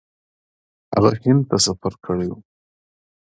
هغه هند ته سفر کړی و.